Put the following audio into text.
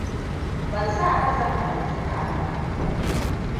Ban sa ran zan halarci taron ba.